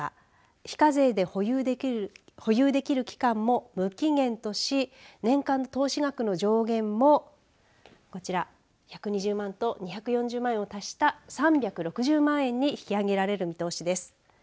非課税で保有できる期間も無期限とし年間の投資額の上限もこちら１２０万と２４０万円をたした３６０万円に引き上げられる見通しです。